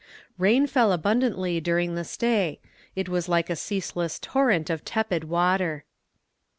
Rain fell abundantly during the stay; it was like a ceaseless torrent of tepid water.